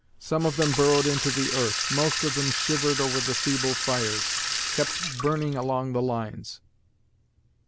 Some of them burrowed into the earth. Most of them shivered over the feeble fires, kept burning along the lines.